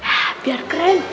nah biar keren